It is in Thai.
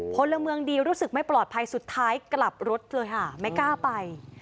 พลเมืองดีรู้สึกไม่ปลอดภัยสุดท้ายกลับรถเลยค่ะไม่กล้าไป